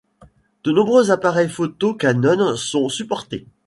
De nombreux appareils photo Canon sont supportés.